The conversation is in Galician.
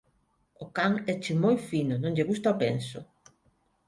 Ó can éche moi fino, non lle gusta o penso.